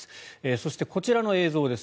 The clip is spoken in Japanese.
そして、こちらの映像です。